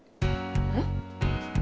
えっ？